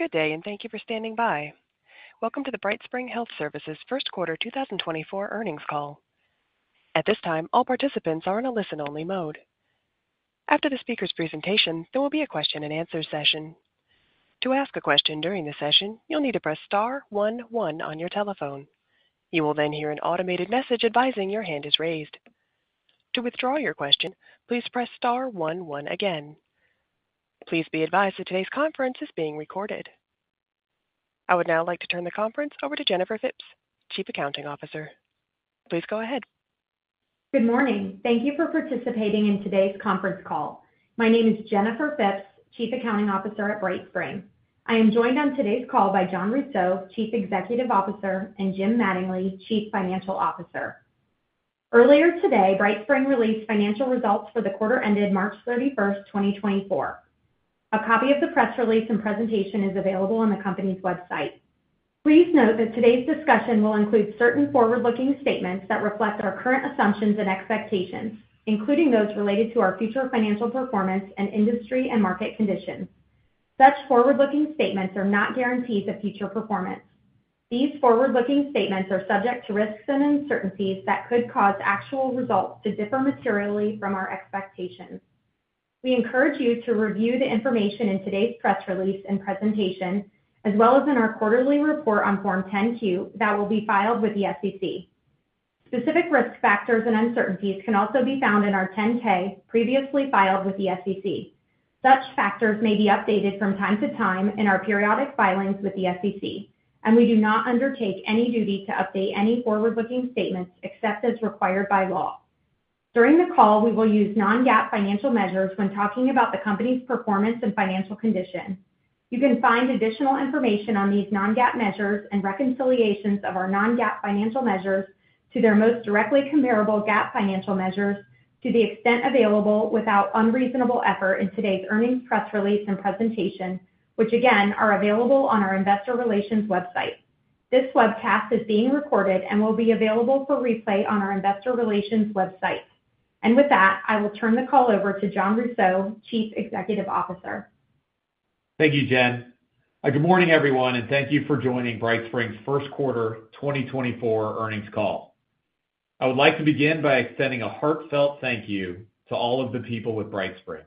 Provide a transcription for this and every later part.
Good day, and thank you for standing by. Welcome to the BrightSpring Health Services First Quarter 2024 earnings call. At this time, all participants are in a listen-only mode. After the speaker's presentation, there will be a question-and-answer session. To ask a question during the session, you'll need to press star one one on your telephone. You will then hear an automated message advising your hand is raised. To withdraw your question, please press star one one again. Please be advised that today's conference is being recorded. I would now like to turn the conference over to Jennifer Phipps, Chief Accounting Officer. Please go ahead. Good morning. Thank you for participating in today's conference call. My name is Jennifer Phipps, Chief Accounting Officer at BrightSpring. I am joined on today's call by Jon Rousseau, Chief Executive Officer; and Jim Mattingly, Chief Financial Officer. Earlier today, BrightSpring released financial results for the quarter ended March 31st, 2024. A copy of the press release and presentation is available on the company's website. Please note that today's discussion will include certain forward-looking statements that reflect our current assumptions and expectations, including those related to our future financial performance and industry and market conditions. Such forward-looking statements are not guarantees of future performance. These forward-looking statements are subject to risks and uncertainties that could cause actual results to differ materially from our expectations. We encourage you to review the information in today's press release and presentation, as well as in our quarterly report on Form 10-Q that will be filed with the SEC. Specific risk factors and uncertainties can also be found in our 10-K previously filed with the SEC. Such factors may be updated from time to time in our periodic filings with the SEC, and we do not undertake any duty to update any forward-looking statements except as required by law. During the call, we will use non-GAAP financial measures when talking about the company's performance and financial condition. You can find additional information on these non-GAAP measures and reconciliations of our non-GAAP financial measures to their most directly comparable GAAP financial measures to the extent available without unreasonable effort in today's earnings press release and presentation, which again are available on our investor relations website. This webcast is being recorded and will be available for replay on our investor relations website. With that, I will turn the call over to Jon Rousseau, Chief Executive Officer. Thank you, Jen. Good morning, everyone, and thank you for joining BrightSpring's first quarter 2024 earnings call. I would like to begin by extending a heartfelt thank you to all of the people with BrightSpring.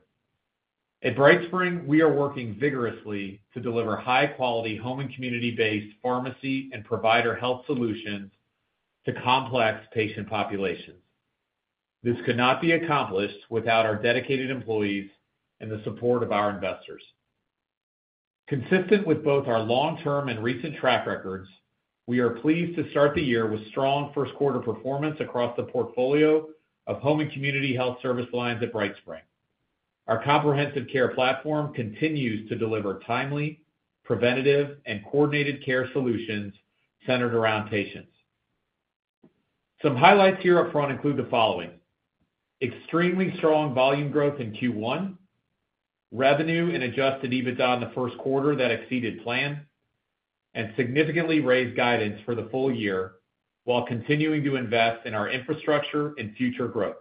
At BrightSpring, we are working vigorously to deliver high-quality, Home and Community-based pharmacy and provider health solutions to complex patient populations. This could not be accomplished without our dedicated employees and the support of our investors. Consistent with both our long-term and recent track records, we are pleased to start the year with strong first-quarter performance across the portfolio of Home and Community health service lines at BrightSpring. Our comprehensive care platform continues to deliver timely, preventative, and coordinated care solutions centered around patients. Some highlights here up front include the following: extremely strong volume growth in Q1, revenue and Adjusted EBITDA in the first quarter that exceeded plan, and significantly raised guidance for the full year while continuing to invest in our infrastructure and future growth.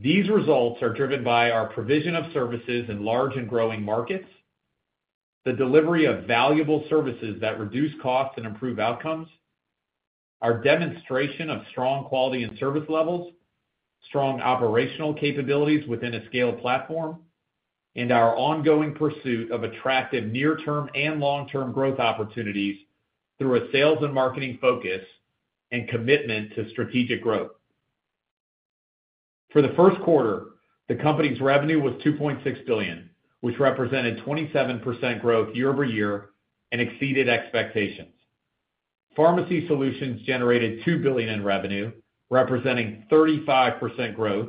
These results are driven by our provision of services in large and growing markets, the delivery of valuable services that reduce costs and improve outcomes, our demonstration of strong quality and service levels, strong operational capabilities within a scaled platform, and our ongoing pursuit of attractive near-term and long-term growth opportunities through a sales and marketing focus and commitment to strategic growth. For the first quarter, the company's revenue was $2.6 billion, which represented 27% growth year-over-year and exceeded expectations. Pharmacy Solutions generated $2 billion in revenue, representing 35% growth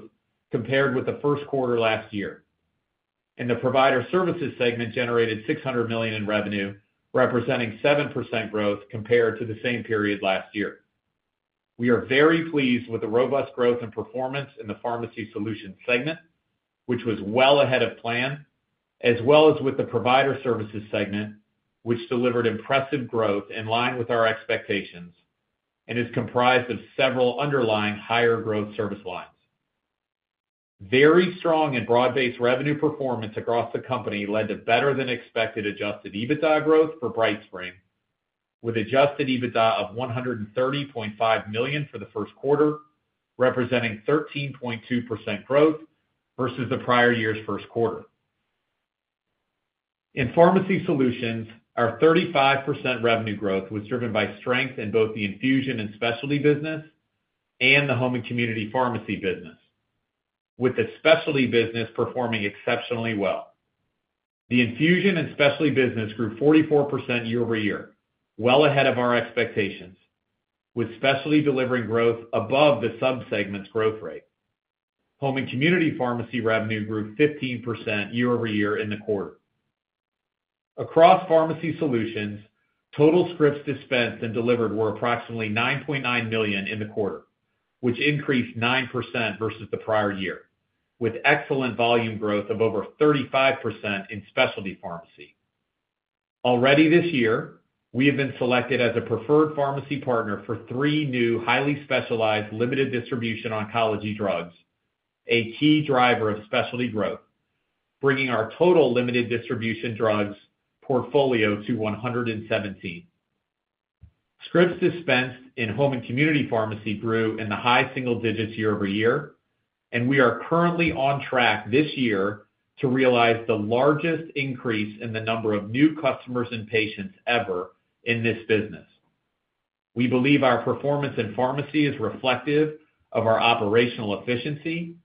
compared with the first quarter last year. The Provider Services segment generated $600 million in revenue, representing 7% growth compared to the same period last year. We are very pleased with the robust growth and performance in the Pharmacy Solutions segment, which was well ahead of plan, as well as with the Provider Services segment, which delivered impressive growth in line with our expectations and is comprised of several underlying higher-growth service lines. Very strong and broad-based revenue performance across the company led to better-than-expected adjusted EBITDA growth for BrightSpring, with adjusted EBITDA of $130.5 million for the first quarter, representing 13.2% growth versus the prior year's first quarter. In Pharmacy Solutions, our 35% revenue growth was driven by strength in both the Infusion and Specialty business and the Home and Community Pharmacy business, with the specialty business performing exceptionally well. The Infusion and Specialty business grew 44% year-over-year, well ahead of our expectations, with specialty delivering growth above the subsegment's growth rate. Home and Community Pharmacy revenue grew 15% year-over-year in the quarter. Across Pharmacy Solutions, total scripts dispensed and delivered were approximately 9.9 million in the quarter, which increased 9% versus the prior year, with excellent volume growth of over 35% in specialty pharmacy. Already this year, we have been selected as a preferred pharmacy partner for three new highly specialized limited distribution oncology drugs, a key driver of specialty growth, bringing our total limited distribution drugs portfolio to 117. Scripts dispensed in Home and Community Pharmacy grew in the high single digits year-over-year, and we are currently on track this year to realize the largest increase in the number of new customers and patients ever in this business. We believe our performance in pharmacy is reflective of our operational efficiency,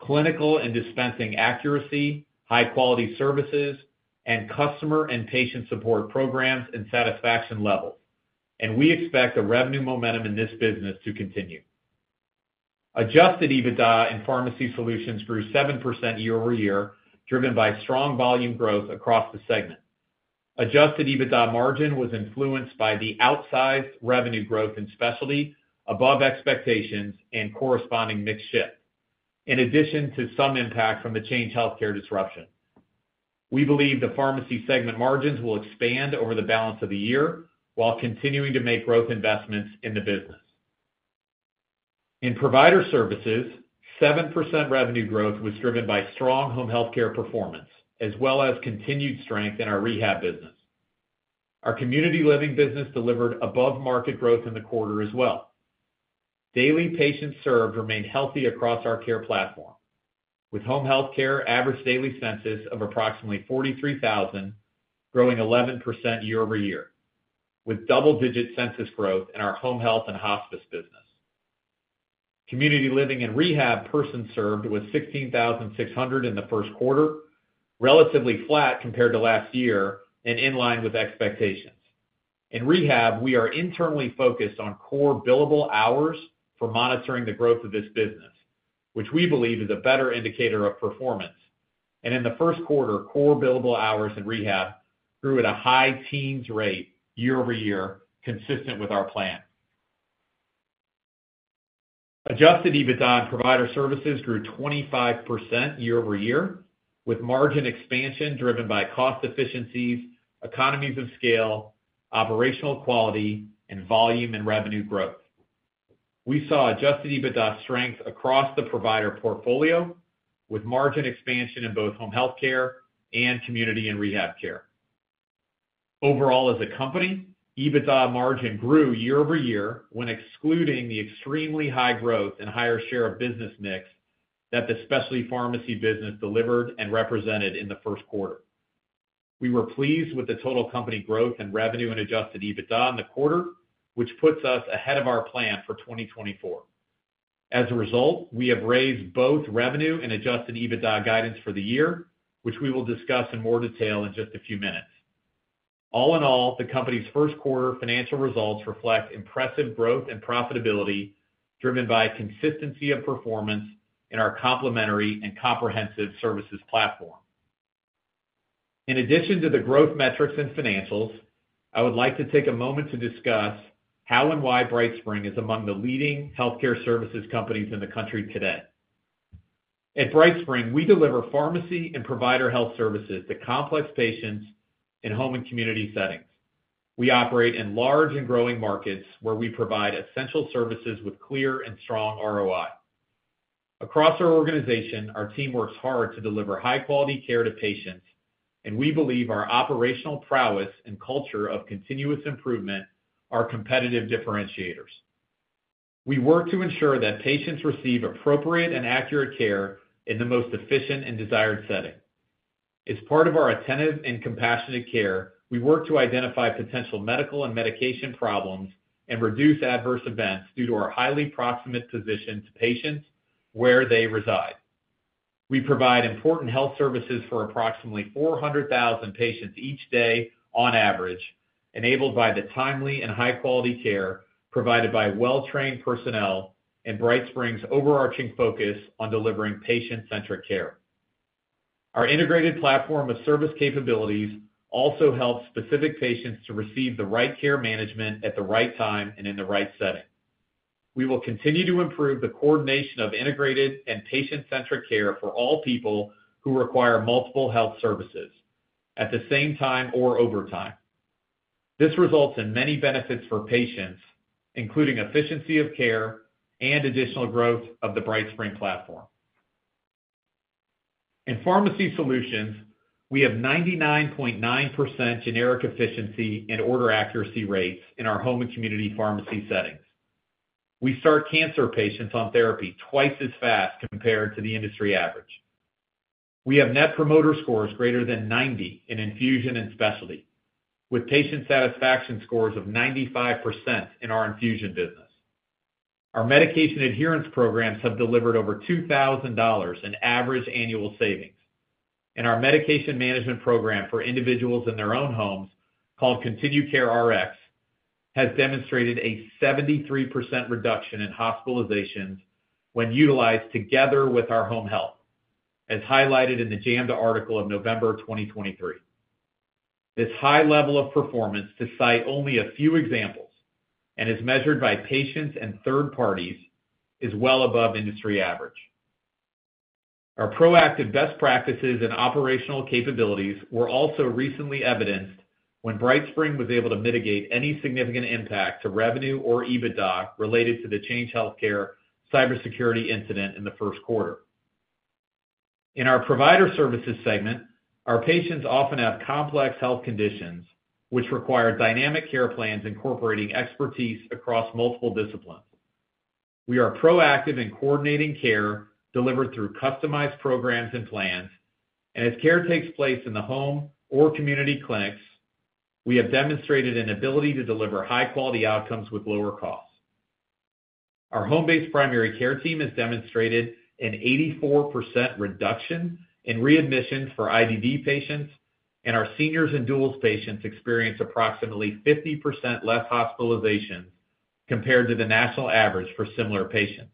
clinical and dispensing accuracy, high-quality services, and customer and patient support programs and satisfaction levels, and we expect a revenue momentum in this business to continue. Adjusted EBITDA in Pharmacy Solutions grew 7% year-over-year, driven by strong volume growth across the segment. Adjusted EBITDA margin was influenced by the outsized revenue growth in specialty above expectations and corresponding mixed shift, in addition to some impact from the Change Healthcare disruption. We believe the Pharmacy Solutions segment margins will expand over the balance of the year while continuing to make growth investments in the business. In Provider Services, 7% revenue growth was driven by strong Home Healthcare performance as well as continued strength in our Rehab business. Our Community Living business delivered above-market growth in the quarter as well. Daily patients served remained healthy across our care platform, with home healthcare average daily census of approximately 43,000 growing 11% year-over-year, with double-digit census growth in our home health and hospice business. Community living and rehab persons served was 16,600 in the first quarter, relatively flat compared to last year and in line with expectations. In rehab, we are internally focused on core billable hours for monitoring the growth of this business, which we believe is a better indicator of performance, and in the first quarter, core billable hours in rehab grew at a high teens rate year-over-year, consistent with our plan. Adjusted EBITDA in Provider Services grew 25% year-over-year, with margin expansion driven by cost efficiencies, economies of scale, operational quality, and volume and revenue growth. We saw Adjusted EBITDA strength across the provider portfolio, with margin expansion in both home healthcare and community and rehab care. Overall, as a company, EBITDA margin grew year-over-year when excluding the extremely high growth and higher share of business mix that the specialty pharmacy business delivered and represented in the first quarter. We were pleased with the total company growth and revenue in Adjusted EBITDA in the quarter, which puts us ahead of our plan for 2024. As a result, we have raised both revenue and Adjusted EBITDA guidance for the year, which we will discuss in more detail in just a few minutes. All in all, the company's first quarter financial results reflect impressive growth and profitability driven by consistency of performance in our complementary and comprehensive services platform. In addition to the growth metrics and financials, I would like to take a moment to discuss how and why BrightSpring is among the leading healthcare services companies in the country today. At BrightSpring, we deliver pharmacy and provider health services to complex patients in Home and Community settings. We operate in large and growing markets where we provide essential services with clear and strong ROI. Across our organization, our team works hard to deliver high-quality care to patients, and we believe our operational prowess and culture of continuous improvement are competitive differentiators. We work to ensure that patients receive appropriate and accurate care in the most efficient and desired setting. As part of our attentive and compassionate care, we work to identify potential medical and medication problems and reduce adverse events due to our highly proximate position to patients where they reside. We provide important health services for approximately 400,000 patients each day on average, enabled by the timely and high-quality care provided by well-trained personnel and BrightSpring's overarching focus on delivering patient-centric care. Our integrated platform of service capabilities also helps specific patients to receive the right care management at the right time and in the right setting. We will continue to improve the coordination of integrated and patient-centric care for all people who require multiple health services at the same time or over time. This results in many benefits for patients, including efficiency of care and additional growth of the BrightSpring platform. In pharmacy solutions, we have 99.9% generic efficiency and order accuracy rates in our Home and Community Pharmacy settings. We start cancer patients on therapy twice as fast compared to the industry average. We have Net Promoter Scores greater than 90 in infusion and specialty, with patient satisfaction scores of 95% in our infusion business. Our medication adherence programs have delivered over $2,000 in average annual savings, and our medication management program for individuals in their own homes called ContinueCare Rx has demonstrated a 73% reduction in hospitalizations when utilized together with our home health, as highlighted in the JAMDA article of November 2023. This high level of performance, to cite only a few examples and as measured by patients and third parties, is well above industry average. Our proactive best practices and operational capabilities were also recently evidenced when BrightSpring was able to mitigate any significant impact to revenue or EBITDA related to the Change Healthcare cybersecurity incident in the first quarter. In our Provider Services segment, our patients often have complex health conditions, which require dynamic care plans incorporating expertise across multiple disciplines. We are proactive in coordinating care delivered through customized programs and plans, and as care takes place in the home or community clinics, we have demonstrated an ability to deliver high-quality outcomes with lower costs. Our home-based primary care team has demonstrated an 84% reduction in readmissions for IDD patients, and our seniors and duals patients experience approximately 50% less hospitalizations compared to the national average for similar patients.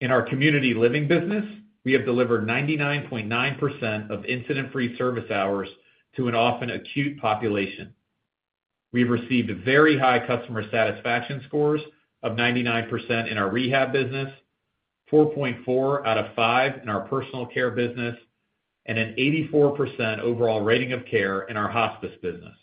In our Community Living business, we have delivered 99.9% of incident-free service hours to an often acute population. We have received very high customer satisfaction scores of 99% in our Rehab business, 4.4 out of five in our personal care business, and an 84% overall rating of care in our Hospice business.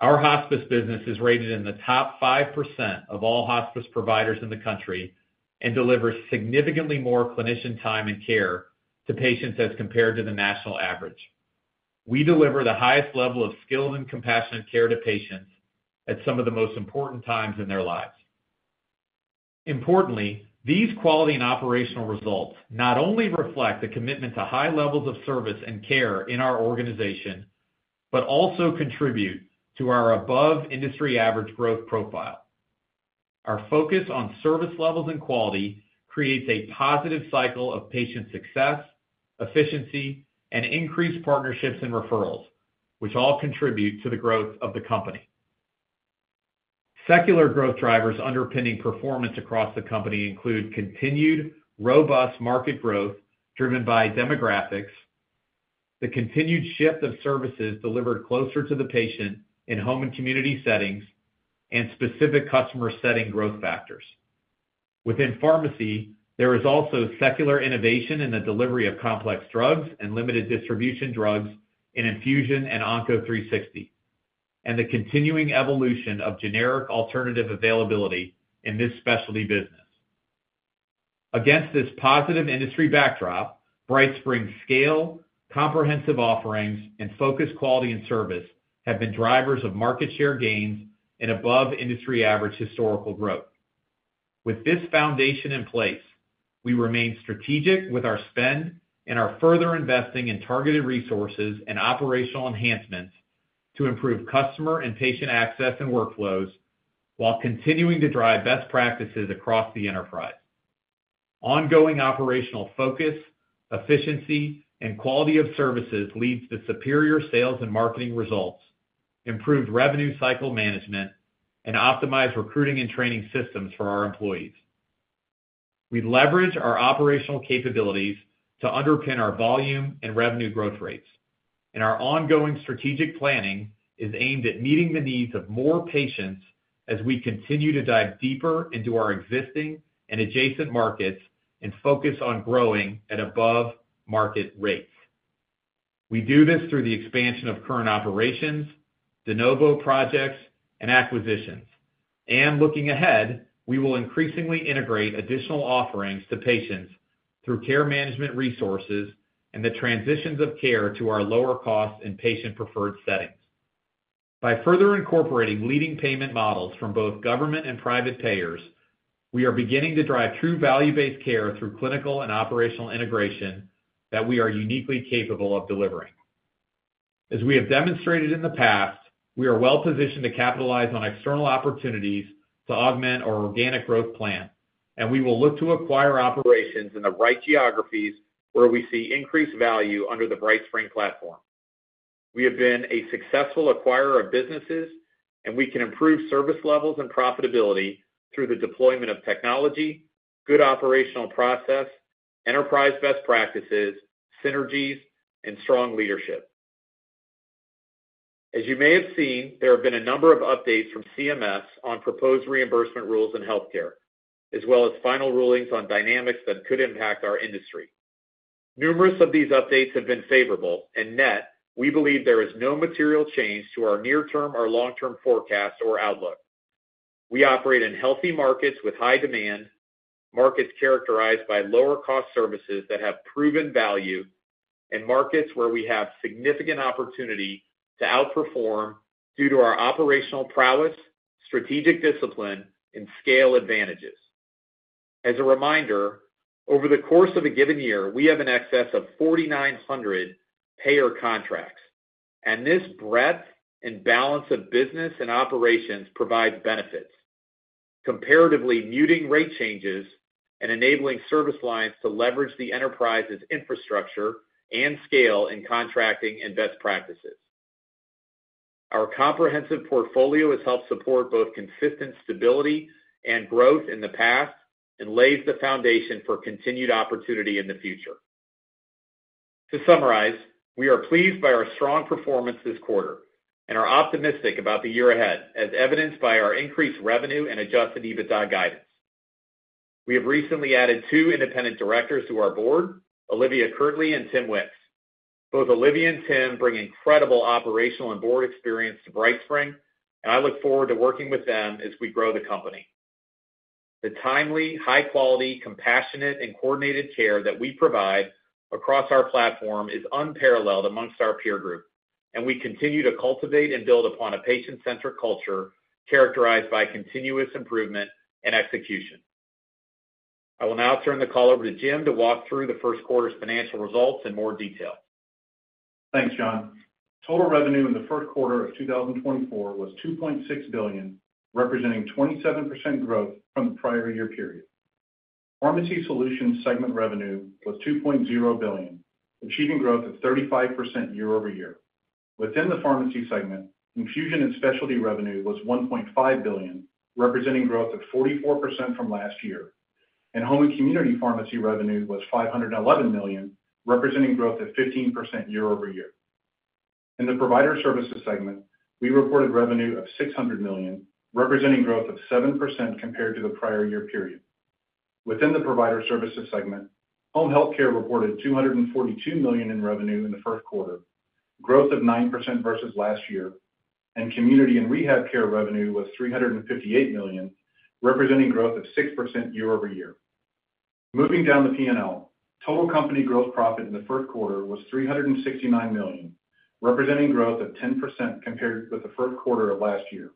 Our hospice business is rated in the top 5% of all hospice providers in the country and delivers significantly more clinician time and care to patients as compared to the national average. We deliver the highest level of skilled and compassionate care to patients at some of the most important times in their lives. Importantly, these quality and operational results not only reflect a commitment to high levels of service and care in our organization but also contribute to our above-industry average growth profile. Our focus on service levels and quality creates a positive cycle of patient success, efficiency, and increased partnerships and referrals, which all contribute to the growth of the company. Secular growth drivers underpinning performance across the company include continued robust market growth driven by demographics, the continued shift of services delivered closer to the patient in Home and Community settings, and specific customer-setting growth factors. Within pharmacy, there is also secular innovation in the delivery of complex drugs and limited distribution drugs in infusion and Onco360, and the continuing evolution of generic alternative availability in this specialty business. Against this positive industry backdrop, BrightSpring's scale, comprehensive offerings, and focused quality and service have been drivers of market share gains and above-industry average historical growth. With this foundation in place, we remain strategic with our spend and are further investing in targeted resources and operational enhancements to improve customer and patient access and workflows while continuing to drive best practices across the enterprise. Ongoing operational focus, efficiency, and quality of services leads to superior sales and marketing results, improved revenue cycle management, and optimized recruiting and training systems for our employees. We leverage our operational capabilities to underpin our volume and revenue growth rates, and our ongoing strategic planning is aimed at meeting the needs of more patients as we continue to dive deeper into our existing and adjacent markets and focus on growing at above-market rates. We do this through the expansion of current operations, de novo projects, and acquisitions, and looking ahead, we will increasingly integrate additional offerings to patients through care management resources and the transitions of care to our lower cost and patient-preferred settings. By further incorporating leading payment models from both government and private payers, we are beginning to drive true value-based care through clinical and operational integration that we are uniquely capable of delivering. As we have demonstrated in the past, we are well-positioned to capitalize on external opportunities to augment our organic growth plan, and we will look to acquire operations in the right geographies where we see increased value under the BrightSpring platform. We have been a successful acquirer of businesses, and we can improve service levels and profitability through the deployment of technology, good operational process, enterprise best practices, synergies, and strong leadership. As you may have seen, there have been a number of updates from CMS on proposed reimbursement rules in healthcare, as well as final rulings on dynamics that could impact our industry. Numerous of these updates have been favorable, and net, we believe there is no material change to our near-term or long-term forecast or outlook. We operate in healthy markets with high demand, markets characterized by lower-cost services that have proven value, and markets where we have significant opportunity to outperform due to our operational prowess, strategic discipline, and scale advantages. As a reminder, over the course of a given year, we have an excess of 4,900 payer contracts, and this breadth and balance of business and operations provides benefits, comparatively muting rate changes and enabling service lines to leverage the enterprise's infrastructure and scale in contracting and best practices. Our comprehensive portfolio has helped support both consistent stability and growth in the past and lays the foundation for continued opportunity in the future. To summarize, we are pleased by our strong performance this quarter and are optimistic about the year ahead, as evidenced by our increased revenue and Adjusted EBITDA guidance. We have recently added two independent directors to our board, Olivia Kirtley and Tim Wicks. Both Olivia and Tim bring incredible operational and board experience to BrightSpring, and I look forward to working with them as we grow the company. The timely, high-quality, compassionate, and coordinated care that we provide across our platform is unparalleled amongst our peer group, and we continue to cultivate and build upon a patient-centric culture characterized by continuous improvement and execution. I will now turn the call over to Jim to walk through the first quarter's financial results in more detail. Thanks, Jon. Total revenue in the first quarter of 2024 was $2.6 billion, representing 27% growth from the prior year period. Pharmacy Solutions segment revenue was $2.0 billion, achieving growth of 35% year-over-year. Within the Pharmacy Solutions segment, Infusion and Specialty revenue was $1.5 billion, representing growth of 44% from last year, and Home and Community Pharmacy revenue was $511 million, representing growth of 15% year-over-year. In the Provider Services segment, we reported revenue of $600 million, representing growth of 7% compared to the prior year period. Within the Provider Services segment, Home Healthcare reported $242 million in revenue in the first quarter, growth of 9% versus last year, and Community and Rehab Care revenue was $358 million, representing growth of 6% year-over-year. Moving down the P&L, total company gross profit in the first quarter was $369 million, representing growth of 10% compared with the first quarter of last year.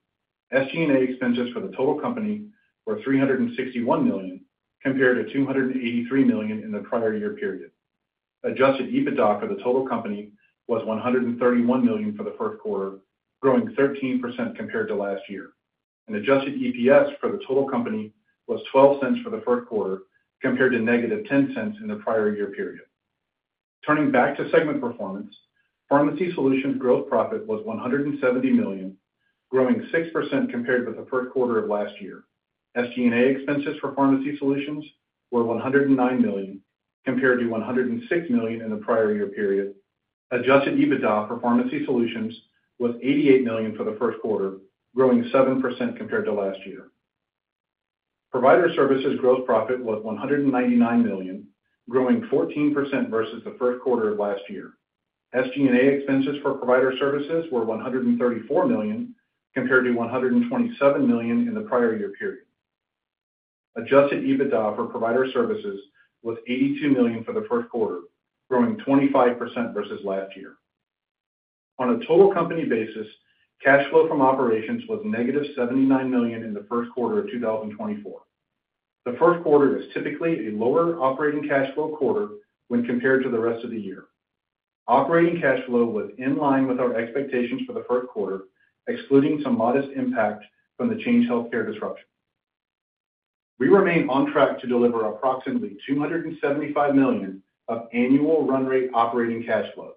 SG&A expenses for the total company were $361 million compared to $283 million in the prior year period. Adjusted EBITDA for the total company was $131 million for the first quarter, growing 13% compared to last year, and Adjusted EPS for the total company was $0.12 for the first quarter compared to -$0.10 in the prior year period. Turning back to segment performance, Pharmacy Solutions gross profit was $170 million, growing 6% compared with the first quarter of last year. SG&A expenses for Pharmacy Solutions were $109 million compared to $106 million in the prior year period. Adjusted EBITDA for Pharmacy Solutions was $88 million for the first quarter, growing 7% compared to last year. Provider Services gross profit was $199 million, growing 14% versus the first quarter of last year. SG&A expenses for Provider Services were $134 million compared to $127 million in the prior year period. Adjusted EBITDA for Provider Services was $82 million for the first quarter, growing 25% versus last year. On a total company basis, cash flow from operations was -$79 million in the first quarter of 2024. The first quarter is typically a lower operating cash flow quarter when compared to the rest of the year. Operating cash flow was in line with our expectations for the first quarter, excluding some modest impact from the Change Healthcare disruption. We remain on track to deliver approximately $275 million of annual run-rate operating cash flow.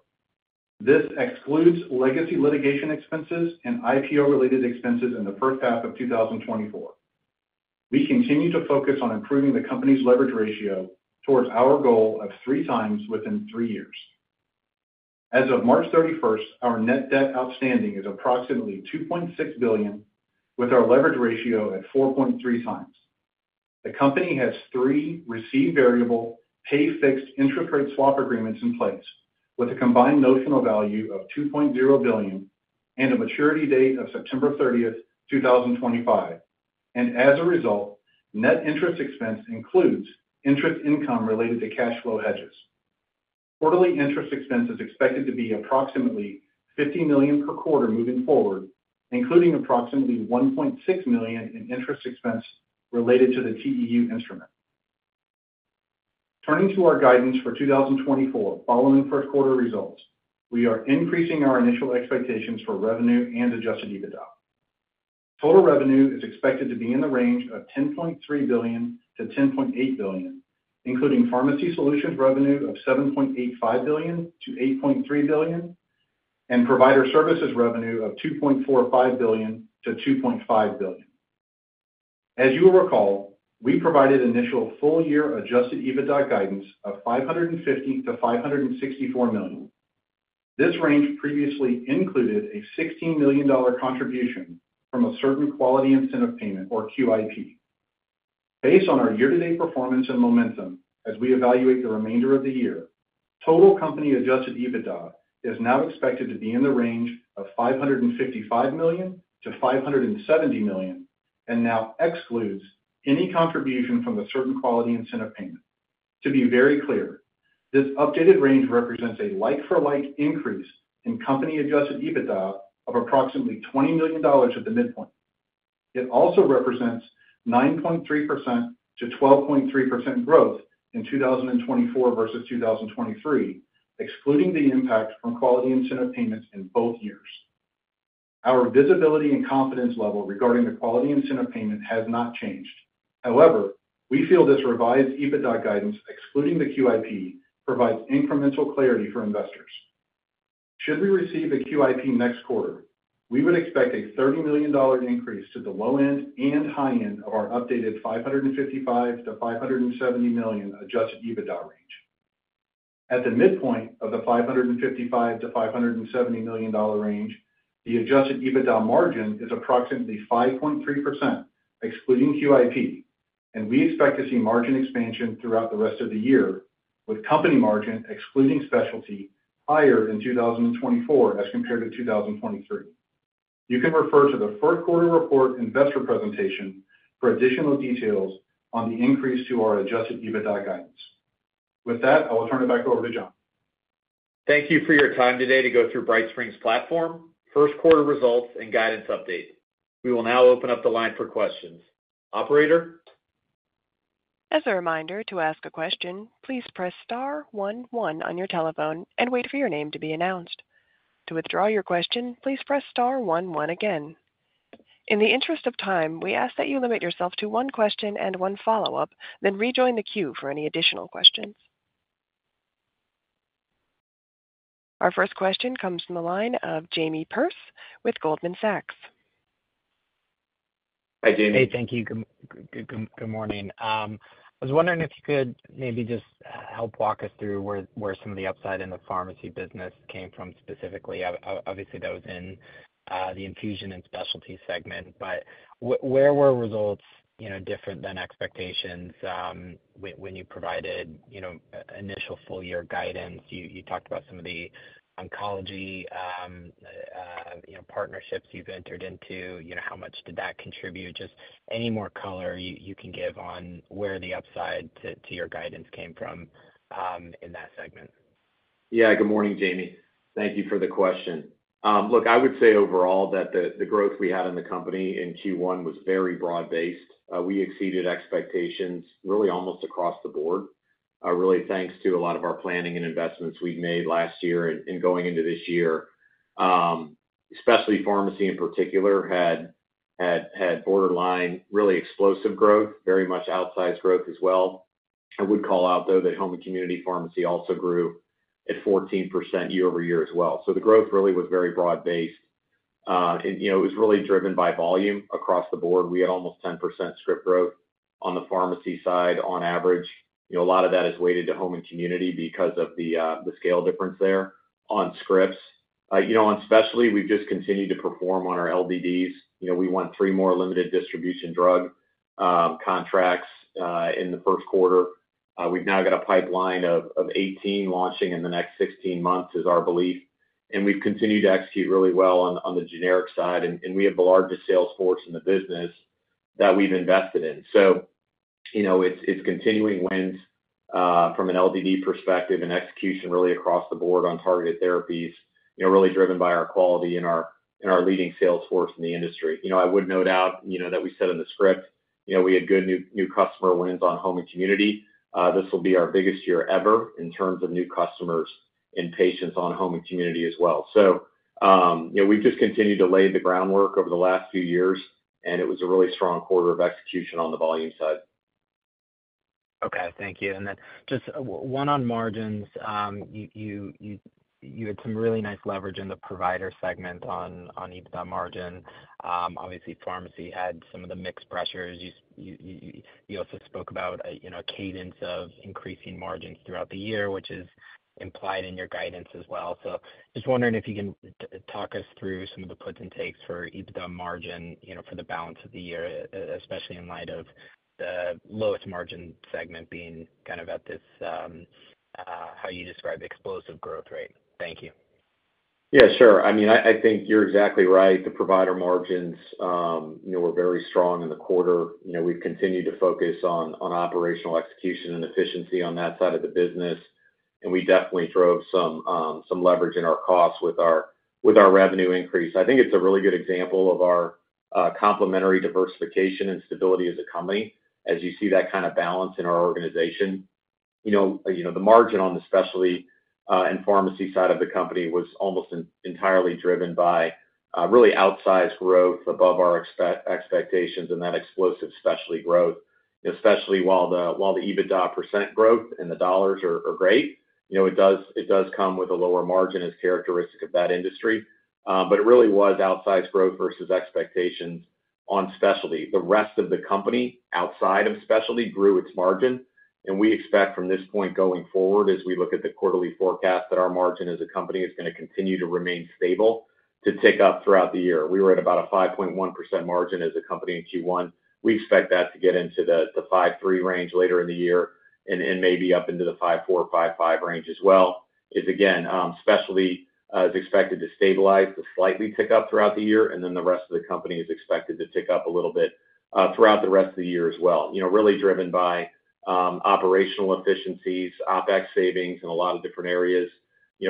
This excludes legacy litigation expenses and IPO-related expenses in the first half of 2024. We continue to focus on improving the company's leverage ratio towards our goal of 3x within three years. As of March 31st, our net debt outstanding is approximately $2.6 billion, with our leverage ratio at 4.3x. The company has three receive variable, pay fixed interest rate swap agreements in place, with a combined notional value of $2.0 billion and a maturity date of September 30th, 2025, and as a result, net interest expense includes interest income related to cash flow hedges. Quarterly interest expense is expected to be approximately $50 million per quarter moving forward, including approximately $1.6 million in interest expense related to the TEU Instrument. Turning to our guidance for 2024 following first quarter results, we are increasing our initial expectations for revenue and Adjusted EBITDA. Total revenue is expected to be in the range of $10.3 billion-$10.8 billion, including pharmacy solutions revenue of $7.85 billion-$8.3 billion and Provider Services revenue of $2.45 billion-$2.5 billion. As you will recall, we provided initial full-year Adjusted EBITDA guidance of $550 million-$564 million. This range previously included a $16 million contribution from a certain quality incentive payment or QIP. Based on our year-to-date performance and momentum as we evaluate the remainder of the year, total company Adjusted EBITDA is now expected to be in the range of $555 million-$570 million and now excludes any contribution from the certain quality incentive payment. To be very clear, this updated range represents a like-for-like increase in company Adjusted EBITDA of approximately $20 million at the midpoint. It also represents 9.3%-12.3% growth in 2024 versus 2023, excluding the impact from quality incentive payments in both years. Our visibility and confidence level regarding the quality incentive payment has not changed. However, we feel this revised EBITDA guidance, excluding the QIP, provides incremental clarity for investors. Should we receive a QIP next quarter, we would expect a $30 million increase to the low end and high end of our updated $555 million-$570 million adjusted EBITDA range. At the midpoint of the $555 million-$570 million range, the adjusted EBITDA margin is approximately 5.3%, excluding QIP, and we expect to see margin expansion throughout the rest of the year, with company margin, excluding specialty, higher in 2024 as compared to 2023. You can refer to the first quarter report investor presentation for additional details on the increase to our adjusted EBITDA guidance. With that, I will turn it back over to Jon. Thank you for your time today to go through BrightSpring's platform, first quarter results, and guidance update. We will now open up the line for questions. Operator? As a reminder, to ask a question, please press star one one on your telephone and wait for your name to be announced. To withdraw your question, please press star one one again. In the interest of time, we ask that you limit yourself to one question and one follow-up, then rejoin the queue for any additional questions. Our first question comes from the line of Jamie Perse with Goldman Sachs. Hi, Jamie. Hey, thank you. Good morning. I was wondering if you could maybe just help walk us through where some of the upside in the pharmacy business came from, specifically. Obviously, that was in the infusion and specialty segment, but where were results different than expectations when you provided initial full-year guidance? You talked about some of the oncology partnerships you've entered into. How much did that contribute? Just any more color you can give on where the upside to your guidance came from in that segment. Yeah. Good morning, Jamie. Thank you for the question. Look, I would say overall that the growth we had in the company in Q1 was very broad-based. We exceeded expectations really almost across the board, really thanks to a lot of our planning and investments we've made last year and going into this year. Especially pharmacy in particular had borderline, really explosive growth, very much outsized growth as well. I would call out, though, that home and community pharmacy also grew at 14% year-over-year as well. So the growth really was very broad-based, and it was really driven by volume across the board. We had almost 10% script growth on the pharmacy side on average. A lot of that is weighted to home and community because of the scale difference there on scripts. On specialty, we've just continued to perform on our LDDs. We won three more limited distribution drug contracts in the first quarter. We've now got a pipeline of 18 launching in the next 16 months, is our belief, and we've continued to execute really well on the generic side, and we have the largest sales force in the business that we've invested in. So it's continuing wins from an LDD perspective and execution really across the board on targeted therapies, really driven by our quality and our leading sales force in the industry. I would note that we said in the script we had good new customer wins on home and community. This will be our biggest year ever in terms of new customers and patients on home and community as well. So we've just continued to lay the groundwork over the last few years, and it was a really strong quarter of execution on the volume side. Okay. Thank you. And then just one on margins, you had some really nice leverage in the provider segment on EBITDA margin. Obviously, pharmacy had some of the mixed pressures. You also spoke about a cadence of increasing margins throughout the year, which is implied in your guidance as well. So just wondering if you can talk us through some of the puts and takes for EBITDA margin for the balance of the year, especially in light of the lowest margin segment being kind of at this, how you describe, explosive growth rate. Thank you. Yeah, sure. I mean, I think you're exactly right. The provider margins were very strong in the quarter. We've continued to focus on operational execution and efficiency on that side of the business, and we definitely drove some leverage in our costs with our revenue increase. I think it's a really good example of our complementary diversification and stability as a company as you see that kind of balance in our organization. The margin on the specialty and pharmacy side of the company was almost entirely driven by really outsized growth above our expectations and that explosive specialty growth. Especially while the EBITDA percent growth in the dollars are great, it does come with a lower margin as characteristic of that industry, but it really was outsized growth versus expectations on specialty. The rest of the company outside of specialty grew its margin, and we expect from this point going forward, as we look at the quarterly forecast, that our margin as a company is going to continue to remain stable to tick up throughout the year. We were at about a 5.1% margin as a company in Q1. We expect that to get into the 5.3% range later in the year and maybe up into the 5.4%-5.5% range as well because, again, specialty is expected to stabilize, to slightly tick up throughout the year, and then the rest of the company is expected to tick up a little bit throughout the rest of the year as well, really driven by operational efficiencies, OpEx savings in a lot of different areas,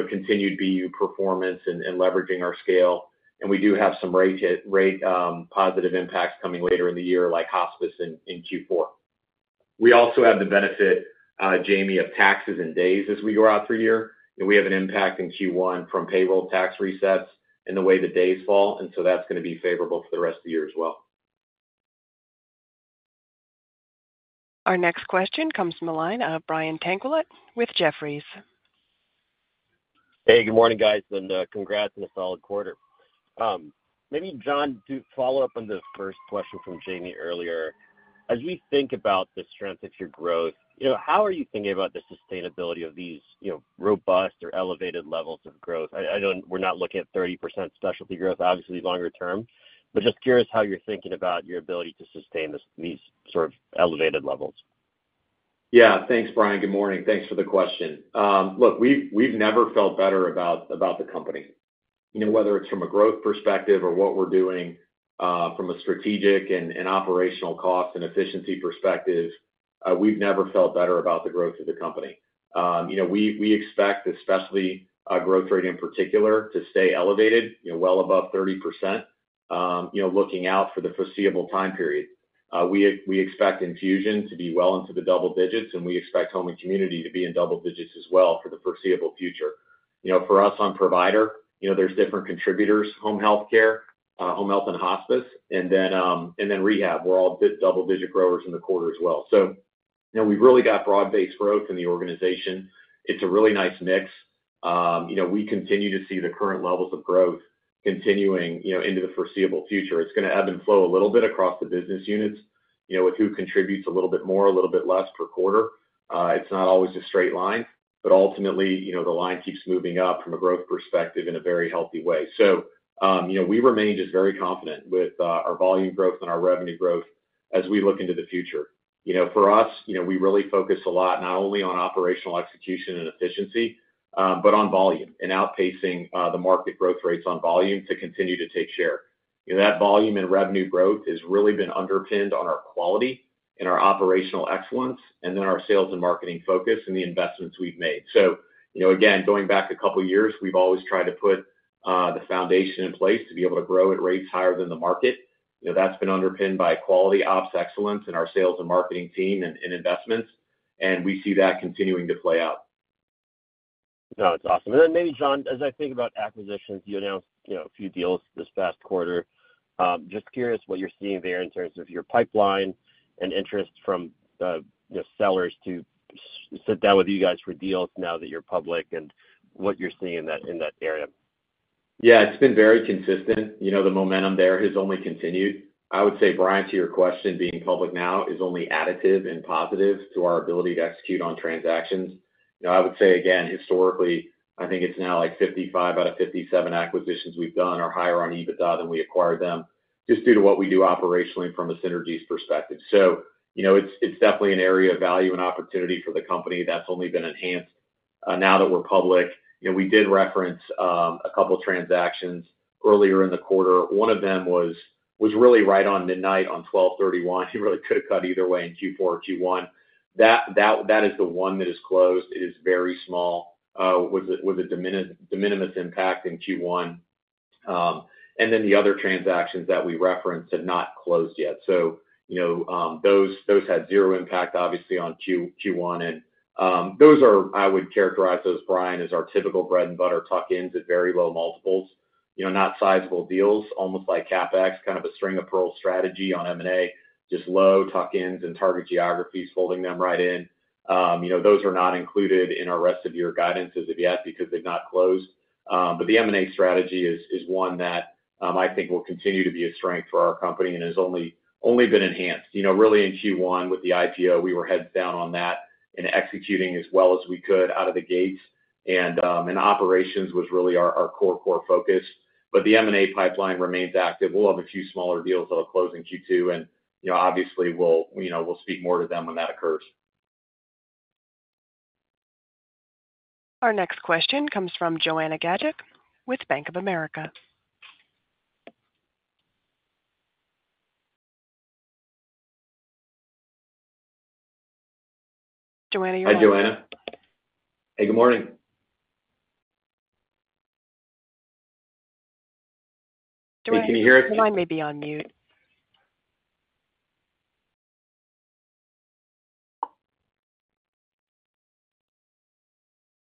continued BU performance, and leveraging our scale. And we do have some rate-positive impacts coming later in the year like hospice in Q4. We also have the benefit, Jamie, of taxes and days as we go out through the year. We have an impact in Q1 from payroll tax resets and the way the days fall, and so that's going to be favorable for the rest of the year as well. Our next question comes from the line of Brian Tanquilut with Jefferies. Hey, good morning, guys, and congrats on a solid quarter. Maybe, Jon, follow up on the first question from Jamie earlier. As we think about the strength of your growth, how are you thinking about the sustainability of these robust or elevated levels of growth? We're not looking at 30% specialty growth, obviously, longer term, but just curious how you're thinking about your ability to sustain these sort of elevated levels. Yeah. Thanks, Brian. Good morning. Thanks for the question. Look, we've never felt better about the company. Whether it's from a growth perspective or what we're doing from a strategic and operational cost and efficiency perspective, we've never felt better about the growth of the company. We expect the specialty growth rate in particular to stay elevated, well above 30%, looking out for the foreseeable time period. We expect infusion to be well into the double digits, and we expect home and community to be in double digits as well for the foreseeable future. For us on provider, there's different contributors: home healthcare, home health and hospice, and then rehab. We're all double-digit growers in the quarter as well. So we've really got broad-based growth in the organization. It's a really nice mix. We continue to see the current levels of growth continuing into the foreseeable future. It's going to ebb and flow a little bit across the business units with who contributes a little bit more, a little bit less per quarter. It's not always a straight line, but ultimately, the line keeps moving up from a growth perspective in a very healthy way. So we remain just very confident with our volume growth and our revenue growth as we look into the future. For us, we really focus a lot not only on operational execution and efficiency, but on volume and outpacing the market growth rates on volume to continue to take share. That volume and revenue growth has really been underpinned on our quality and our operational excellence and then our sales and marketing focus and the investments we've made. So again, going back a couple of years, we've always tried to put the foundation in place to be able to grow at rates higher than the market. That's been underpinned by quality ops, excellence, and our sales and marketing team and investments, and we see that continuing to play out. No, it's awesome. Then maybe, John, as I think about acquisitions, you announced a few deals this past quarter. Just curious what you're seeing there in terms of your pipeline and interest from sellers to sit down with you guys for deals now that you're public and what you're seeing in that area. Yeah, it's been very consistent. The momentum there has only continued. I would say, Brian, to your question, being public now is only additive and positive to our ability to execute on transactions. I would say, again, historically, I think it's now like 55 out of 57 acquisitions we've done are higher on EBITDA than we acquired them just due to what we do operationally from a synergies perspective. So it's definitely an area of value and opportunity for the company that's only been enhanced now that we're public. We did reference a couple of transactions earlier in the quarter. One of them was really right on midnight on 12/31. You really could have cut either way in Q4 or Q1. That is the one that has closed. It is very small, with a de minimis impact in Q1. And then the other transactions that we referenced had not closed yet. So those had 0 impact, obviously, on Q1. And those are, I would characterize those, Brian, as our typical bread-and-butter tuck-ins at very low multiples, not sizable deals, almost like CapEx, kind of a string-of-pearls strategy on M&A, just low tuck-ins and target geographies folding them right in. Those are not included in our rest of year guidances of yet because they've not closed. But the M&A strategy is one that I think will continue to be a strength for our company and has only been enhanced. Really in Q1 with the IPO, we were heads down on that and executing as well as we could out of the gates, and operations was really our core, core focus. But the M&A pipeline remains active. We'll have a few smaller deals that'll close in Q2, and obviously, we'll speak more to them when that occurs. Our next question comes from Joanna Gajuk with Bank of America. Joanna, you're on. Hi, Joanna. Hey, good morning. Joanna, can you hear us? The line may be on mute.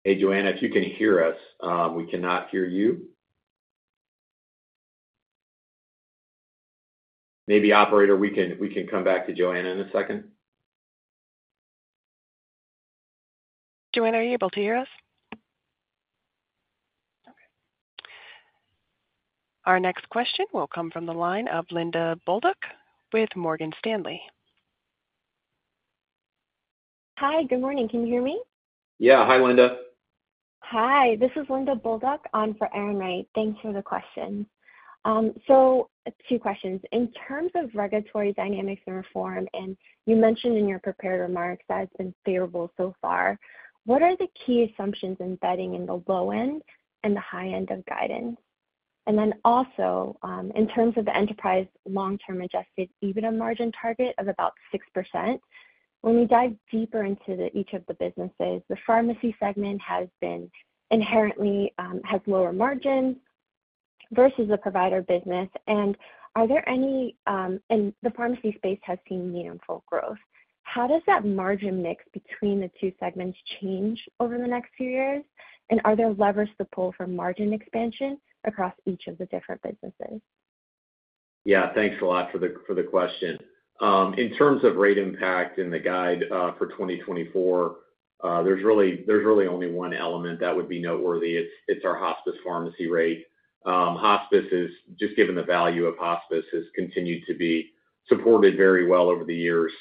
Hey, Joanna, if you can hear us, we cannot hear you. Maybe, operator, we can come back to Joanna in a second. Joanna, are you able to hear us? Okay. Our next question will come from the line of Linda Bolduc with Morgan Stanley. Hi. Good morning. Can you hear me? Yeah. Hi, Linda. Hi. This is Linda Bolduc on for Erin Wright. Thanks for the question. So two questions. In terms of regulatory dynamics and reform, and you mentioned in your prepared remarks that it's been favorable so far, what are the key assumptions embedding in the low end and the high end of guidance? And then also, in terms of the enterprise long-term Adjusted EBITDA margin target of about 6%, when we dive deeper into each of the businesses, the pharmacy segment inherently has lower margins versus the provider business. And are there any and the pharmacy space has seen meaningful growth. How does that margin mix between the two segments change over the next few years? And are there levers to pull for margin expansion across each of the different businesses? Yeah. Thanks a lot for the question. In terms of rate impact in the guide for 2024, there's really only one element that would be noteworthy. It's our hospice pharmacy rate. Hospice is just given the value of hospice has continued to be supported very well over the years.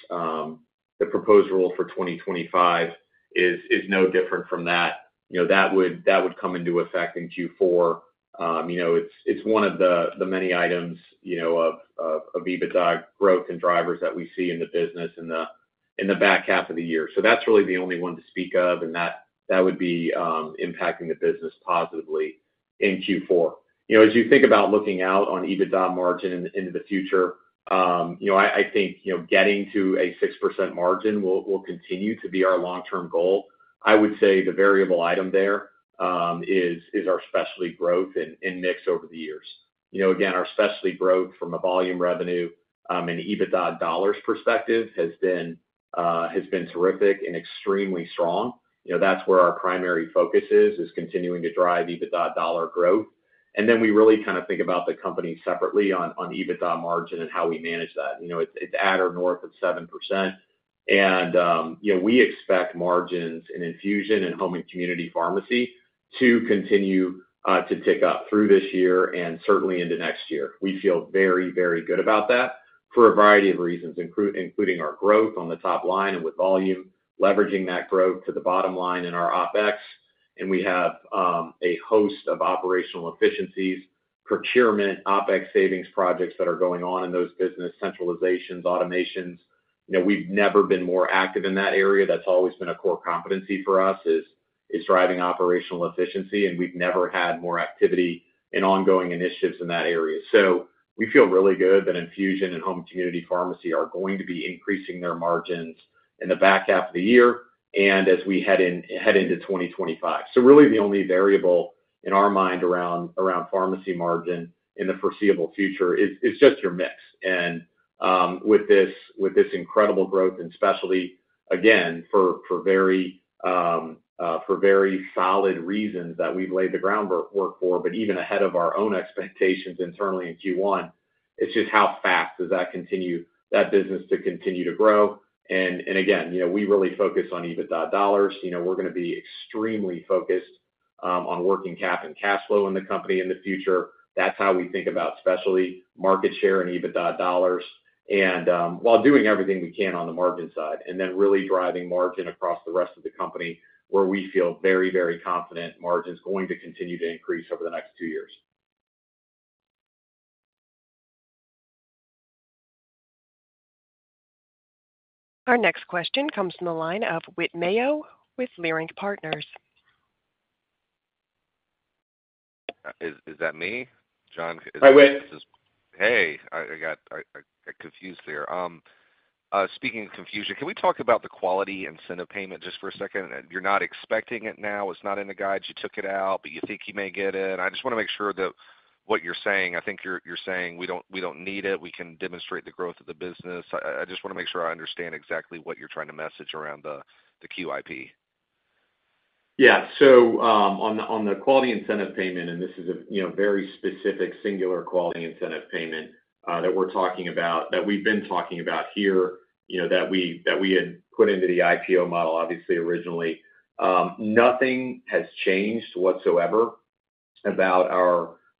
The proposed rule for 2025 is no different from that. That would come into effect in Q4. It's one of the many items of EBITDA growth and drivers that we see in the business in the back half of the year. So that's really the only one to speak of, and that would be impacting the business positively in Q4. As you think about looking out on EBITDA margin into the future, I think getting to a 6% margin will continue to be our long-term goal. I would say the variable item there is our specialty growth and mix over the years. Again, our specialty growth from a volume revenue and EBITDA dollars perspective has been terrific and extremely strong. That's where our primary focus is, is continuing to drive EBITDA dollar growth. And then we really kind of think about the company separately on EBITDA margin and how we manage that. It's at or north of 7%, and we expect margins in infusion and home and community pharmacy to continue to tick up through this year and certainly into next year. We feel very, very good about that for a variety of reasons, including our growth on the top line and with volume, leveraging that growth to the bottom line in our OpEx. And we have a host of operational efficiencies, procurement, OpEx savings projects that are going on in those businesses, centralizations, automations. We've never been more active in that area. That's always been a core competency for us is driving operational efficiency, and we've never had more activity in ongoing initiatives in that area. So we feel really good that infusion and home and community pharmacy are going to be increasing their margins in the back half of the year and as we head into 2025. So really, the only variable in our mind around pharmacy margin in the foreseeable future is just your mix. And with this incredible growth in specialty, again, for very solid reasons that we've laid the groundwork for, but even ahead of our own expectations internally in Q1, it's just how fast does that business continue to grow? And again, we really focus on EBITDA dollars. We're going to be extremely focused on working cap and cash flow in the company in the future. That's how we think about specialty, market share, and EBITDA dollars while doing everything we can on the margin side and then really driving margin across the rest of the company where we feel very, very confident margin's going to continue to increase over the next two years. Our next question comes from the line of Whit Mayo with Leerink Partners. Is that me? Jon? Hi, Whit. Hey. I got confused there. Speaking of confusion, can we talk about the quality incentive payment just for a second? You're not expecting it now. It's not in the guides. You took it out, but you think you may get it. I just want to make sure that what you're saying I think you're saying, "We don't need it. We can demonstrate the growth of the business." I just want to make sure I understand exactly what you're trying to message around the QIP. Yeah. So on the quality incentive payment, and this is a very specific, singular Quality Incentive Payment that we're talking about, that we've been talking about here, that we had put into the IPO model, obviously, originally, nothing has changed whatsoever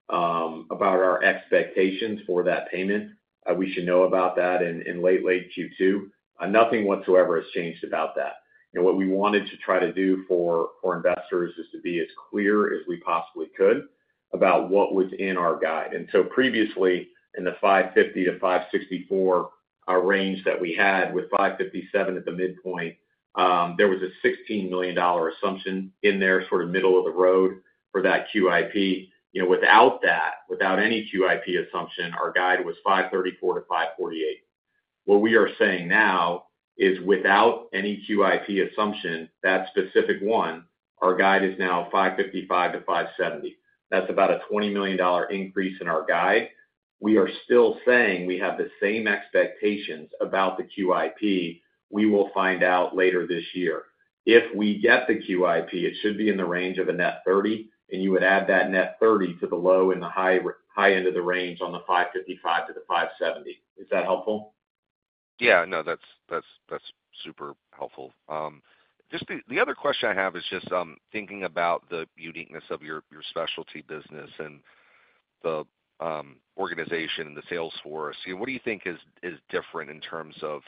about our expectations for that payment. We should know about that in late Q2. Nothing whatsoever has changed about that. What we wanted to try to do for investors is to be as clear as we possibly could about what was in our guide. And so previously, in the $550-$564 range that we had with $557 million at the midpoint, there was a $16 million assumption in there, sort of middle of the road for that QIP. Without any QIP assumption, our guide was $534-$548 million. What we are saying now is, without any QIP assumption, that specific one, our guide is now $555-$570 million. That's about a $20 million increase in our guide. We are still saying we have the same expectations about the QIP. We will find out later this year. If we get the QIP, it should be in the range of a net $30 million, and you would add that net $30 million to the low and the high end of the range on the $555 million-$570 million. Is that helpful? Yeah. No, that's super helpful. The other question I have is just thinking about the uniqueness of your specialty business and the organization and the salesforce. What do you think is different in terms of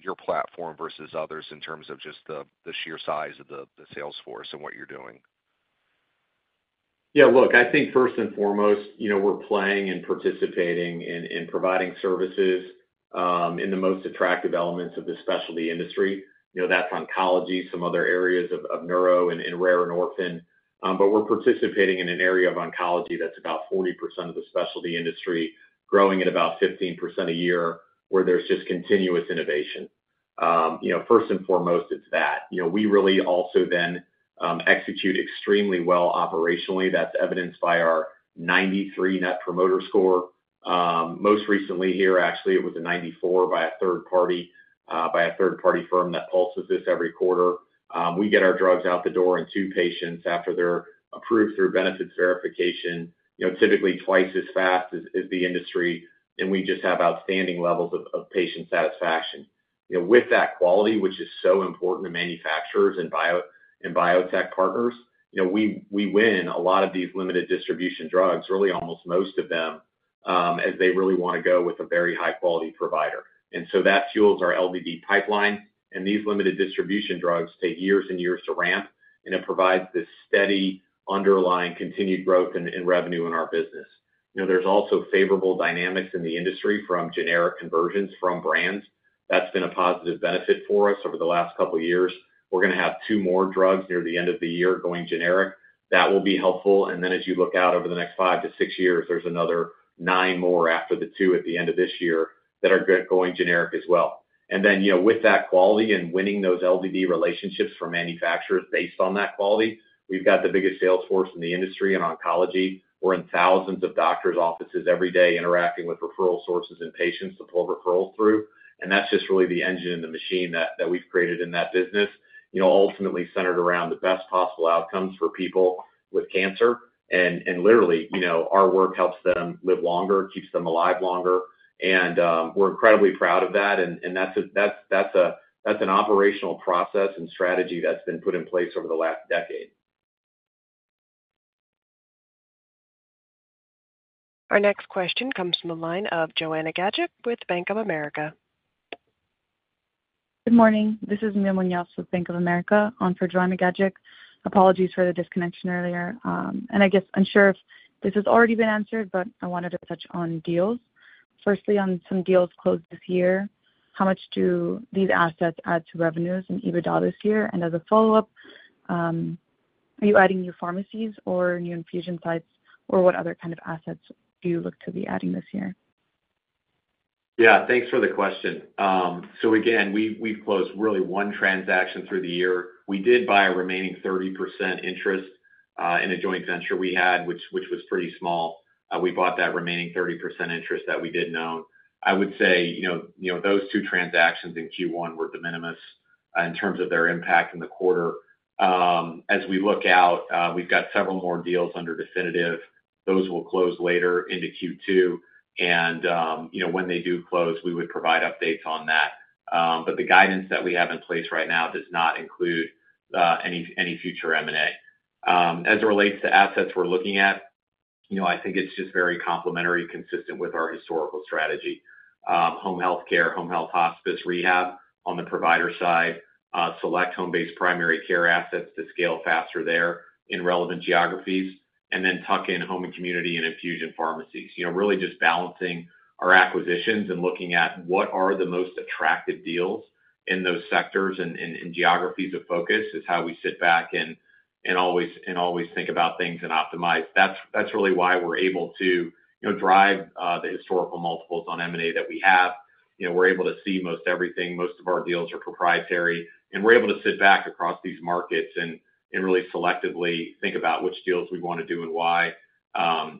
your platform versus others in terms of just the sheer size of the salesforce and what you're doing? Yeah. Look, I think first and foremost, we're playing and participating in providing services in the most attractive elements of the specialty industry. That's oncology, some other areas of neuro and rare and orphan. But we're participating in an area of oncology that's about 40% of the specialty industry, growing at about 15% a year where there's just continuous innovation. First and foremost, it's that. We really also then execute extremely well operationally. That's evidenced by our 93 Net Promoter Score. Most recently here, actually, it was a 94 by a third-party firm that pulses this every quarter. We get our drugs out the door in 2 patients after they're approved through benefits verification, typically twice as fast as the industry, and we just have outstanding levels of patient satisfaction. With that quality, which is so important to manufacturers and biotech partners, we win a lot of these limited distribution drugs, really almost most of them, as they really want to go with a very high-quality provider. And so that fuels our LDD pipeline, and these limited distribution drugs take years and years to ramp, and it provides this steady underlying continued growth and revenue in our business. There's also favorable dynamics in the industry from generic conversions from brands. That's been a positive benefit for us over the last couple of years. We're going to have two more drugs near the end of the year going generic. That will be helpful. And then as you look out over the next five to six years, there's another nine more after the two at the end of this year that are going generic as well. And then with that quality and winning those LDD relationships from manufacturers based on that quality, we've got the biggest salesforce in the industry in oncology. We're in thousands of doctors' offices every day interacting with referral sources and patients to pull referrals through. And that's just really the engine and the machine that we've created in that business, ultimately centered around the best possible outcomes for people with cancer. And literally, our work helps them live longer, keeps them alive longer. And we're incredibly proud of that. And that's an operational process and strategy that's been put in place over the last decade. Our next question comes from the line of Joanna Gajuk with Bank of America. Good morning. This is Mia Muñoz with Bank of America on for Joanna Gajuk. Apologies for the disconnection earlier. And I guess, unsure if this has already been answered, but I wanted to touch on deals. Firstly, on some deals closed this year, how much do these assets add to revenues and EBITDA this year? And as a follow-up, are you adding new pharmacies or new infusion sites, or what other kind of assets do you look to be adding this year? Yeah. Thanks for the question. So again, we've closed really one transaction through the year. We did buy a remaining 30% interest in a joint venture we had, which was pretty small. We bought that remaining 30% interest that we didn't own. I would say those two transactions in Q1 were de minimis in terms of their impact in the quarter. As we look out, we've got several more deals under definitive. Those will close later into Q2. And when they do close, we would provide updates on that. But the guidance that we have in place right now does not include any future M&A. As it relates to assets we're looking at, I think it's just very complementary, consistent with our historical strategy. Home healthcare, home health hospice, rehab on the provider side, select home-based primary care assets to scale faster there in relevant geographies, and then tuck in home and community and infusion pharmacies. Really just balancing our acquisitions and looking at what are the most attractive deals in those sectors and geographies of focus is how we sit back and always think about things and optimize. That's really why we're able to drive the historical multiples on M&A that we have. We're able to see most everything. Most of our deals are proprietary. And we're able to sit back across these markets and really selectively think about which deals we want to do and why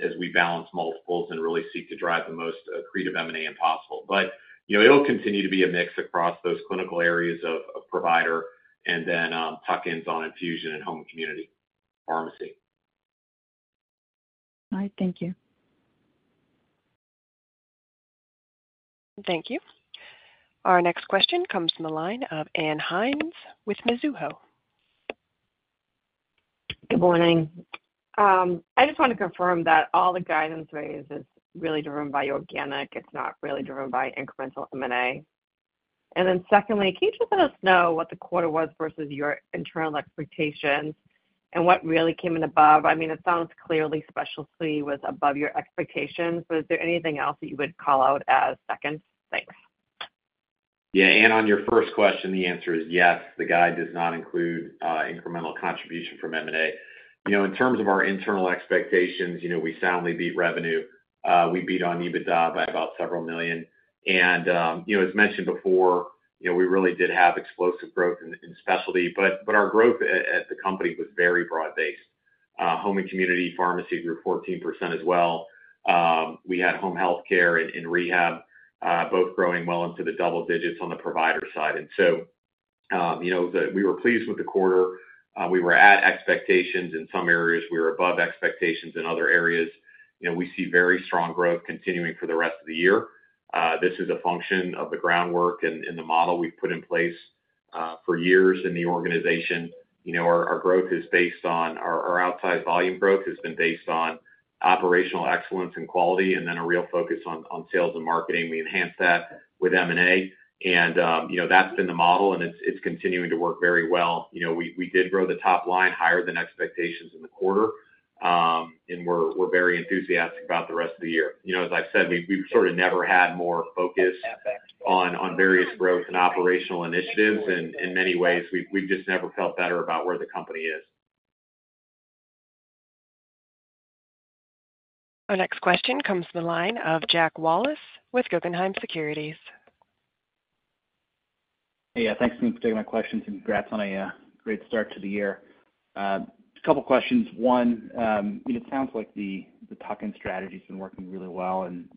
as we balance multiples and really seek to drive the most accretive M&A as possible. But it'll continue to be a mix across those clinical areas of provider and then tuck-ins on infusion and home and community pharmacy. All right. Thank you. Thank you. Our next question comes from the line of Ann Hynes with Mizuho. Good morning. I just want to confirm that all the guidance raised is really driven by organic. It's not really driven by incremental M&A. Then secondly, can you just let us know what the quarter was versus your internal expectations and what really came in above? I mean, it sounds clearly specialty was above your expectations, but is there anything else that you would call out as second? Thanks. Yeah. Ann, on your first question, the answer is yes. The guide does not include incremental contribution from M&A. In terms of our internal expectations, we soundly beat revenue. We beat on EBITDA by about several million. And as mentioned before, we really did have explosive growth in specialty, but our growth at the company was very broad-based. Home and community pharmacy grew 14% as well. We had home healthcare and rehab both growing well into the double digits on the provider side. And so we were pleased with the quarter. We were at expectations. In some areas, we were above expectations. In other areas, we see very strong growth continuing for the rest of the year. This is a function of the groundwork and the model we've put in place for years in the organization. Our growth is based on our outside volume growth has been based on operational excellence and quality and then a real focus on sales and marketing. We enhanced that with M&A. That's been the model, and it's continuing to work very well. We did grow the top line higher than expectations in the quarter, and we're very enthusiastic about the rest of the year. As I've said, we've sort of never had more focus on various growth and operational initiatives. In many ways, we've just never felt better about where the company is. Our next question comes from the line of Jack Wallace with Guggenheim Securities. Hey. Yeah. Thanks again for taking my questions, and congrats on a great start to the year. A couple of questions. One, it sounds like the tuck-in strategy's been working really well and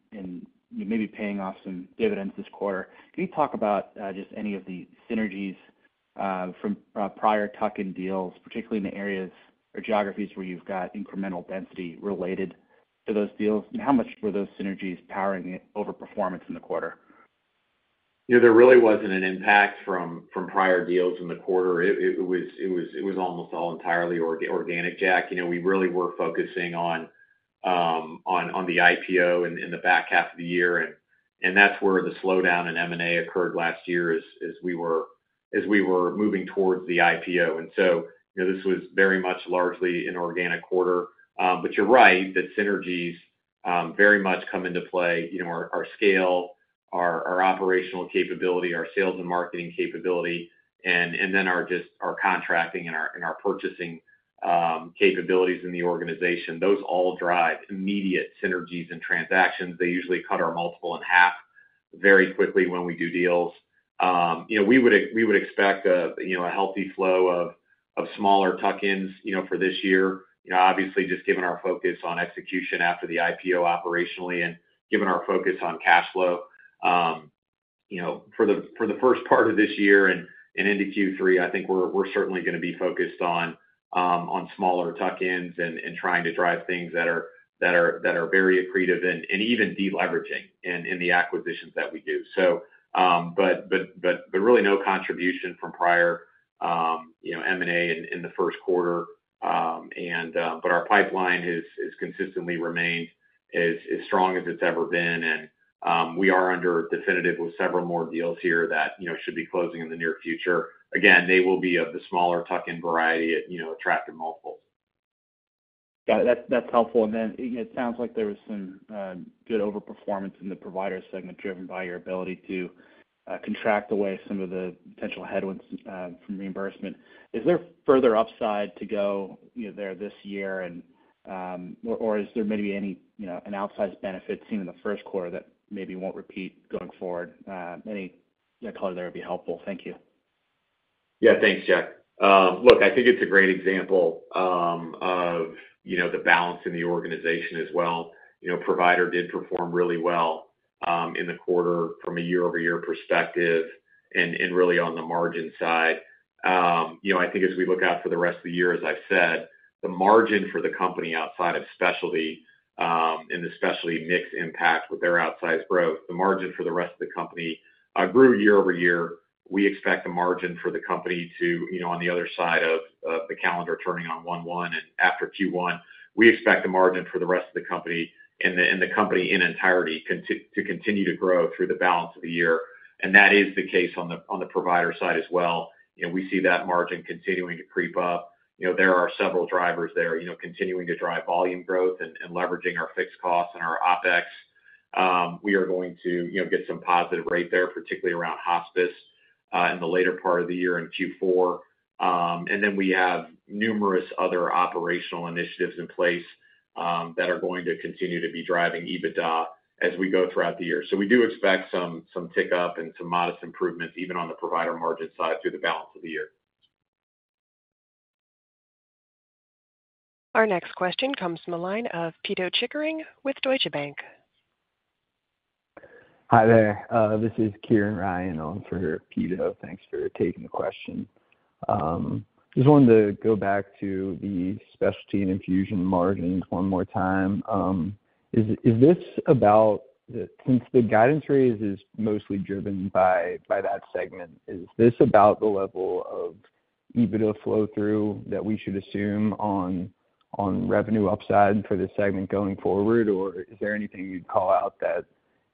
maybe paying off some dividends this quarter. Can you talk about just any of the synergies from prior tuck-in deals, particularly in the areas or geographies where you've got incremental density related to those deals? How much were those synergies powering overperformance in the quarter? There really wasn't an impact from prior deals in the quarter. It was almost all entirely organic, Jack. We really were focusing on the IPO in the back half of the year, and that's where the slowdown in M&A occurred last year as we were moving towards the IPO. This was very much largely an organic quarter. You're right that synergies very much come into play: our scale, our operational capability, our sales and marketing capability, and then our contracting and our purchasing capabilities in the organization. Those all drive immediate synergies and transactions. They usually cut our multiple in half very quickly when we do deals. We would expect a healthy flow of smaller tuck-ins for this year, obviously, just given our focus on execution after the IPO operationally and given our focus on cash flow. For the first part of this year and into Q3, I think we're certainly going to be focused on smaller tuck-ins and trying to drive things that are very accretive and even deleveraging in the acquisitions that we do. But really, no contribution from prior M&A in the first quarter. But our pipeline has consistently remained as strong as it's ever been, and we are under definitive with several more deals here that should be closing in the near future. Again, they will be of the smaller tuck-in variety attracting multiples. Got it. That's helpful. And then it sounds like there was some good overperformance in the provider segment driven by your ability to contract away some of the potential headwinds from reimbursement. Is there further upside to go there this year, or is there maybe an outsized benefit seen in the first quarter that maybe won't repeat going forward? Any color there would be helpful. Thank you. Yeah. Thanks, Jack. Look, I think it's a great example of the balance in the organization as well. Provider did perform really well in the quarter from a year-over-year perspective and really on the margin side. I think as we look out for the rest of the year, as I've said, the margin for the company outside of specialty and the specialty mix impact with their outsized growth, the margin for the rest of the company grew year-over-year. We expect the margin for the company to on the other side of the calendar turning on 1/1 and after Q1, we expect the margin for the rest of the company and the company in entirety to continue to grow through the balance of the year. And that is the case on the provider side as well. We see that margin continuing to creep up. There are several drivers there continuing to drive volume growth and leveraging our fixed costs and our OpEx. We are going to get some positive rate there, particularly around hospice in the later part of the year in Q4. And then we have numerous other operational initiatives in place that are going to continue to be driving EBITDA as we go throughout the year. So we do expect some tick-up and some modest improvements even on the provider margin side through the balance of the year. Our next question comes from the line of Pito Chickering with Deutsche Bank. Hi there. This is Kieran Ryan on for Peter. Thanks for taking the question. I just wanted to go back to the specialty and infusion margins one more time. Is this about since the guidance raise is mostly driven by that segment, is this about the level of EBITDA flow-through that we should assume on revenue upside for this segment going forward, or is there anything you'd call out that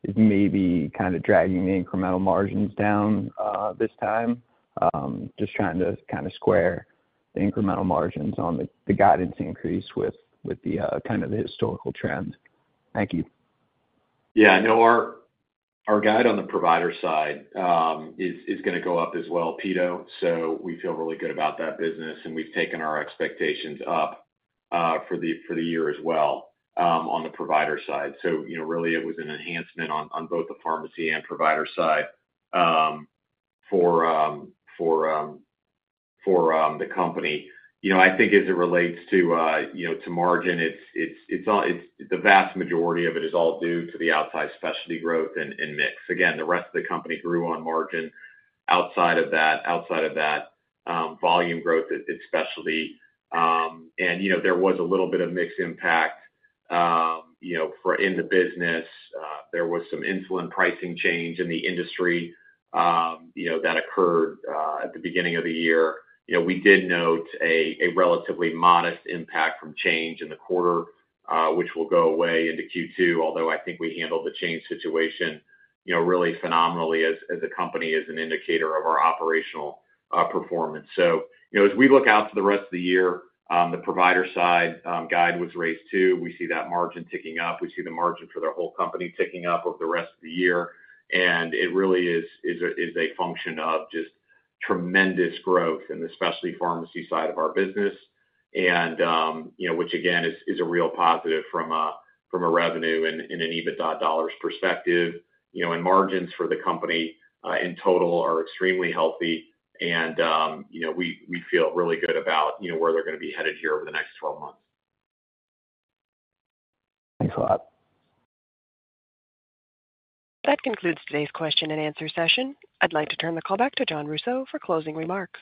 is maybe kind of dragging the incremental margins down this time? Just trying to kind of square the incremental margins on the guidance increase with kind of the historical trend. Thank you. Yeah. No. Our guide on the provider side is going to go up as well, Peter. So we feel really good about that business, and we've taken our expectations up for the year as well on the provider side. So really, it was an enhancement on both the pharmacy and provider side for the company. I think as it relates to margin, the vast majority of it is all due to the outside specialty growth and mix. Again, the rest of the company grew on margin. Outside of that, outside of that, volume growth at specialty. And there was a little bit of mixed impact in the business. There was some insulin pricing change in the industry that occurred at the beginning of the year. We did note a relatively modest impact from Change in the quarter, which will go away into Q2, although I think we handled the Change situation really phenomenally as a company as an indicator of our operational performance. So as we look out to the rest of the year, the provider side guide was raised too. We see that margin ticking up. We see the margin for the whole company ticking up over the rest of the year. And it really is a function of just tremendous growth in the specialty pharmacy side of our business, which again is a real positive from a revenue and an EBITDA dollars perspective. And margins for the company in total are extremely healthy, and we feel really good about where they're going to be headed here over the next 12 months. Thanks a lot. That concludes today's question and answer session. I'd like to turn the call back to Jon Rousseau for closing remarks.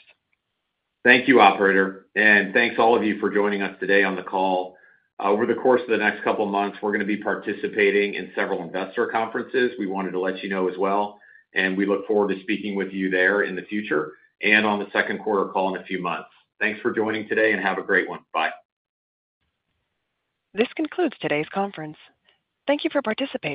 Thank you, operator. Thanks all of you for joining us today on the call. Over the course of the next couple of months, we're going to be participating in several investor conferences. We wanted to let you know as well. We look forward to speaking with you there in the future and on the second quarter call in a few months. Thanks for joining today, and have a great one. Bye. This concludes today's conference. Thank you for participating.